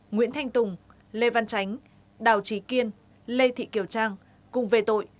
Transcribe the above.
nguyễn thanh tùng lê văn chánh đào trí kiên lê thị kiều trang cùng về tội